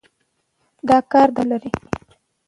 دا کار دوام لري.